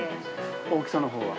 大きさのほうは？